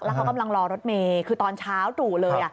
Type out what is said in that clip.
เขากำลังรอรถเมย์คือตอนเช้าตรู่เลย